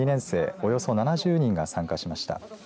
およそ７０人が参加しました。